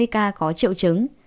sáu mươi ca có triệu chứng